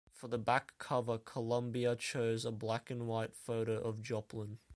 For the back cover, Columbia chose a black and white photo of Joplin.